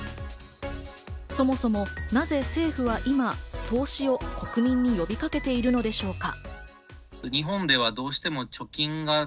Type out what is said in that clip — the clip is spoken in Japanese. そもそも、なぜ今政府は投資を国民に呼びかけているのでしょうか？